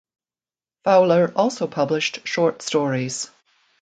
Fowler also published short stories.